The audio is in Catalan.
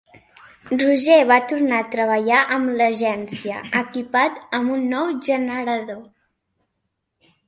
Roger va tornar a treballar amb l'Agència, equipat amb un nou generador.